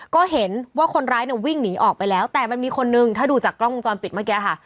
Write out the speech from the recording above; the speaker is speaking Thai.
ก็เห็นว่าคนร้ายเนี่ยวิ่งหนีออกไปแล้วแต่มันมีคนนึงถ้าดูจากกล้องวงจรปิดเมื่อกี้ค่ะ